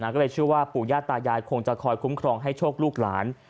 ก็เลยเชื่อว่าปู่ย่าตายายคงจะคอยคุ้มครองให้โชคลูกหลาน